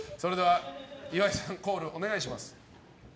岩井さん、コールお願いします。